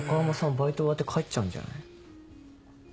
バイト終わって帰っちゃうんじゃない？